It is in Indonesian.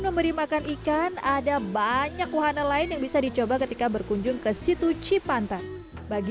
memberi makan ikan ada banyak wahana lain yang bisa dicoba ketika berkunjung ke situ cipantan bagi